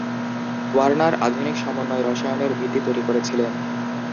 Warner আধুনিক সমন্বয় রসায়নের ভিত্তি তৈরি করেছিলেন।